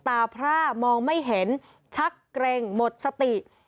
พร่ามองไม่เห็นชักเกร็งหมดสติ